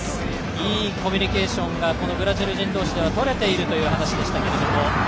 いいコミュニケーションがブラジル人同士では取れているという話でした。